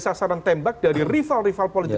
sasaran tembak dari rival rival politik